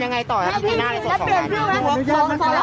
มันไม่ได้ราบกรรมทาจากเรา